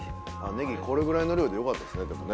ネギこれぐらいの量でよかったですねでもね。